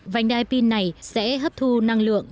vành đai pin này sẽ hấp thu năng lượng